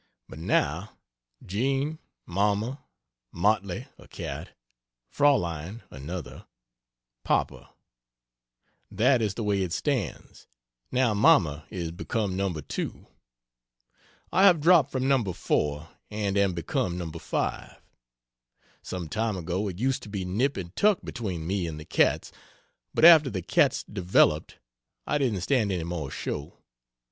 But now: Jean Mamma Motley [a cat] Fraulein [another] Papa That is the way it stands, now Mamma is become No. 2; I have dropped from No. 4., and am become No. 5. Some time ago it used to be nip and tuck between me and the cats, but after the cats "developed" I didn't stand any more show.